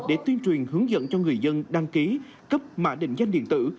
để tuyên truyền hướng dẫn cho người dân đăng ký cấp mã định danh điện tử